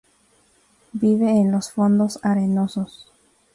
Vive en los fondos arenosos.